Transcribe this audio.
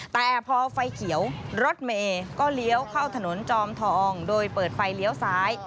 แต่พอไฟเขียวรถเมย์ก็เลี้ยวเข้าถนนจอมทองโดยเปิดไฟเลี้ยวซ้าย